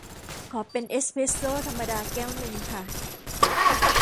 ขอเป็นเอสเพรสโซธรรมดาแก้วนึงค่ะ